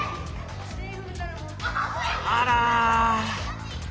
あら。